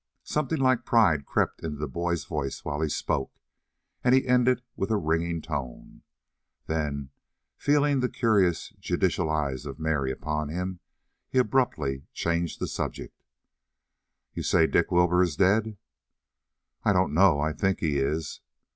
Something like pride crept into the boy's voice while he spoke, and he ended with a ringing tone. Then, feeling the curious, judicial eyes of Mary upon him, he abruptly changed the subject. "You say Dick Wilbur is dead?" "I don't know. I think he is."